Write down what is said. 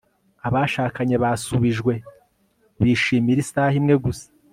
Abashakanye basubijwe bishimira isaha imwe gusa